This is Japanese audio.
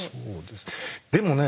でもね